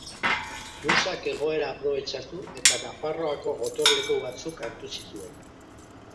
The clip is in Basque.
Musak egoera aprobetxatu eta Nafarroako gotorleku batzuk hartu zituen.